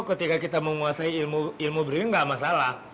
ketika kita menguasai ilmu breaking tidak masalah